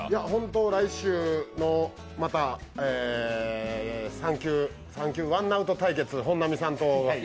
来週のまた３球ワンアウト対決、本並さんと。